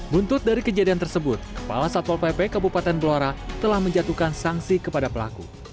buntut dari kejadian tersebut kepala satpol pp kabupaten blora telah menjatuhkan sanksi kepada pelaku